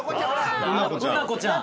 うなこちゃん。